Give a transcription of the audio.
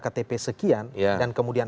ktp sekian dan kemudian